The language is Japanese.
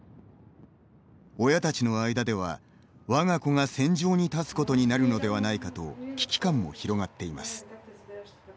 親たちの間では我が子が戦場に立つことになるのではないかと危機感も広がっています。